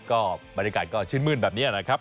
ก็บรรยากาศก็ชื่นมื้นแบบนี้นะครับ